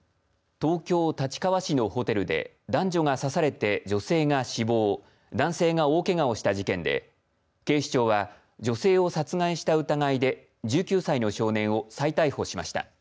東京、立川市のホテルで男女が刺されて女性が死亡男性が大けがをした事件で警視庁は女性を殺害した疑いで１９歳の少年を再逮捕しました。